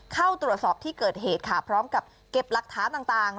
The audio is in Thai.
เข้าตรวจสอบที่เกิดเหตุค่ะพร้อมกับเก็บหลักฐานต่าง